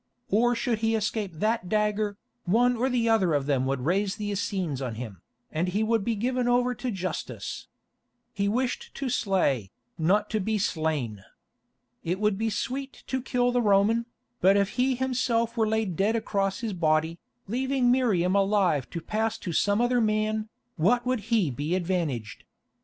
Or should he escape that dagger, one or other of them would raise the Essenes on him, and he would be given over to justice. He wished to slay, not to be slain. It would be sweet to kill the Roman, but if he himself were laid dead across his body, leaving Miriam alive to pass to some other man, what would he be advantaged?